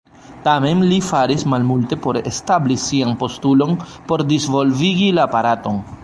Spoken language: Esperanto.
Tamen, li faris malmulte por establi sian postulon por disvolvigi la aparaton.